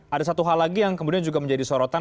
ada satu hal lagi yang kemudian juga menjadi sorotan